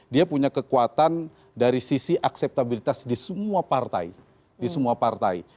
dia punya kekuatan dari sisi akseptabilitas di semua partai